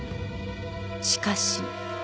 しかし